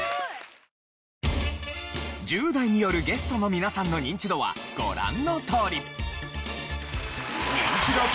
１０代によるゲストの皆さんのニンチドはご覧のとおり。